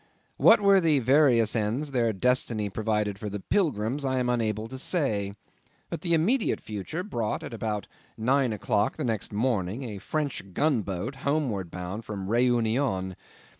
What were the various ends their destiny provided for the pilgrims I am unable to say; but the immediate future brought, at about nine o'clock next morning, a French gunboat homeward bound from Reunion.